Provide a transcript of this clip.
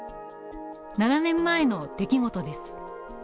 ７年前の出来事です。